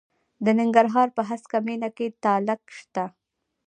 د ننګرهار په هسکه مینه کې تالک شته.